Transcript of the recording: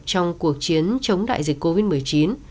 trong cuộc chiến chống đại dịch covid một mươi chín